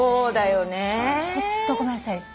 ホントごめんなさい。